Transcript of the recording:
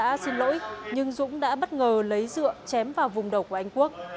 dũng đã xin lỗi nhưng dũng đã bất ngờ lấy dựa chém vào vùng đầu của anh quốc